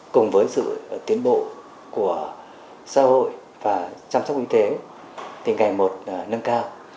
cùng với sự tiến bộ của xã hội và chăm sóc y tế thì ngày một nâng cao